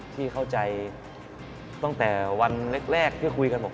ที่เข้าใจตั้งแต่วันแรกที่คุยกันบอก